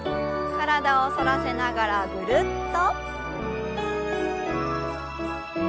体を反らせながらぐるっと。